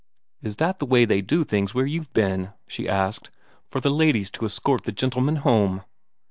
"Is that the way they do things where you've been," she asked "for the ladies to escort the gentlemen home?"